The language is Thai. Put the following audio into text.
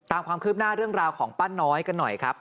ตามความคืบหน้าเรื่องราวของป้าน้อยกันหน่อยครับ